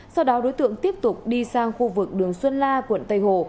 sau đó đối tượng tiếp tục đi sang khu vực đường xuân la quận tây hồ